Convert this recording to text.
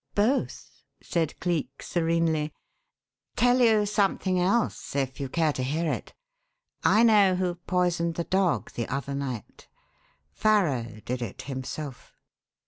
"Both," said Cleek serenely. "Tell you something else if you care to hear it. I know who poisoned the dog the other night. Farrow did it himself."